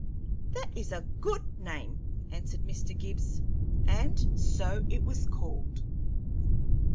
"That is a good name," answered Mr. Gibbs; and so it was called.